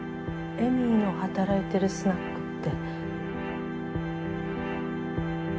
エミーの働いてるスナックって。